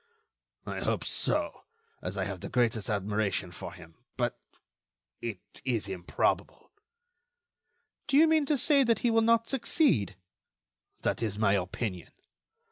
I hope so, as I have the greatest admiration for him. But ... it is improbable." "Do you mean to say that he will not succeed?" "That is my opinion.